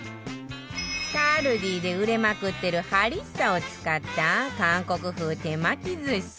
ＫＡＬＤＩ で売れまくってるハリッサを使った韓国風手巻き寿司